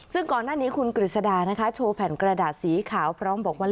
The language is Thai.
ซึ่งก่อนหน้านี้คุณกฤษดานะคะโชว์แผ่นกระดาษสีขาวพร้อมบอกว่า